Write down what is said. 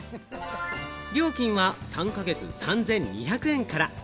料金は３か月３２００円から。